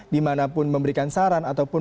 di mana pun memberikan saran ataupun